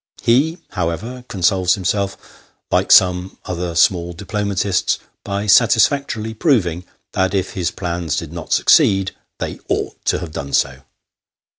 He however consoles himself, like some other small diplomatists, by satisfactorily proving that if his plans did not succeed, they ought to have done so.